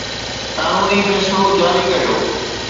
قانوني فيصلو جاري ڪريو